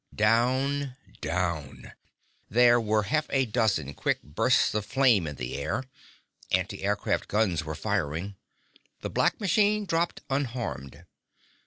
Down, down There were half a dozen quick bursts of flame in the air. Anti aircraft guns were firing. The black flyer dropped unharmed.